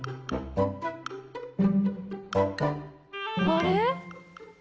あれ？